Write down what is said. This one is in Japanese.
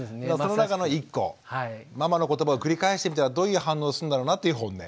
ママの言葉を繰り返してみたらどういう反応するんだろうなっていうホンネ。